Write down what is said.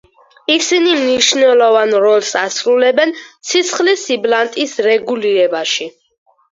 ისინი მნიშვნელოვან როლს ასრულებენ სისხლის სიბლანტის რეგულირებაში.